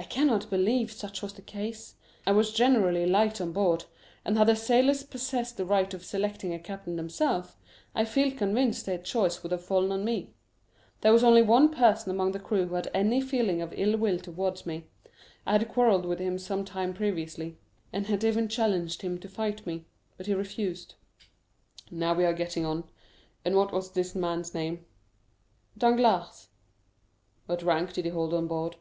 "I cannot believe such was the case. I was generally liked on board, and had the sailors possessed the right of selecting a captain themselves, I feel convinced their choice would have fallen on me. There was only one person among the crew who had any feeling of ill will towards me. I had quarelled with him some time previously, and had even challenged him to fight me; but he refused." "Now we are getting on. And what was this man's name?" "Danglars." "What rank did he hold on board?"